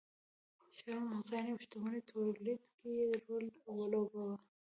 د ښارونو هوساینې او شتمنۍ تولید کې یې رول ولوباوه